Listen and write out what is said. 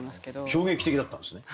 衝撃的だったんですね？